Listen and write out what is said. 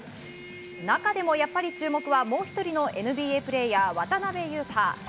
中でも、やっぱり注目はもう１人のＮＢＡプレーヤー渡邊雄太。